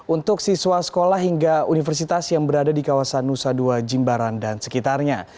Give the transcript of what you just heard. untuk siswa sekolah hingga universitas yang berada di kawasan nusa dua jimbaran dan sekitarnya